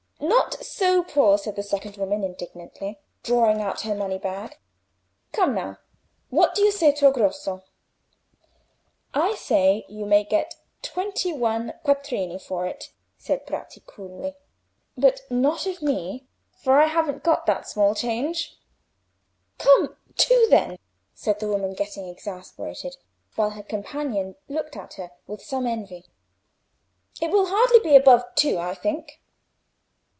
"Not so poor!" said the second woman, indignantly, drawing out her money bag. "Come, now! what do you say to a grosso?" "I say you may get twenty one quattrini for it," said Bratti, coolly; "but not of me, for I haven't got that small change." "Come; two, then?" said the woman, getting exasperated, while her companion looked at her with some envy. "It will hardly be above two, I think."